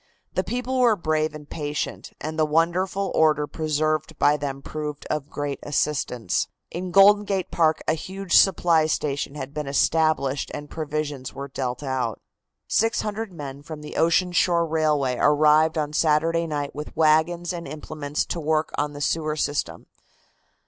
The people were brave and patient, and the wonderful order preserved by them proved of great assistance. In Golden Gate Park a huge supply station had been established and provisions were dealt out. Six hundred men from the Ocean Shore Railway arrived on Saturday night with wagons and implements to work on the sewer system.